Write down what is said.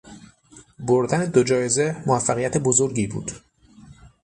بردن دو جایزه موفقیت بزرگی بود.